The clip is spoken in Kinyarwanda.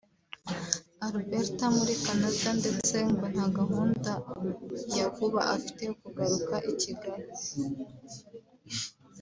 Alberta muri Canada ndetse ngo nta gahunda ya vuba afite yo kugaruka i Kigali